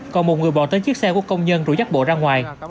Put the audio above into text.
còn một người bỏ tới chiếc xe của công nhân rủ dắt bộ ra ngoài